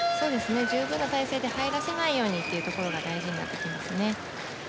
十分な体勢で入らせないようにというところが大事になってきますね。